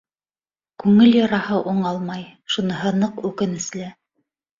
Күңел яраһы уңалмай, шуныһы ныҡ үкенесле.